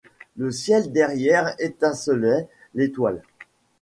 Le ciel derrière étincelait d’étoiles.